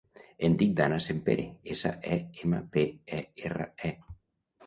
Em dic Dana Sempere: essa, e, ema, pe, e, erra, e.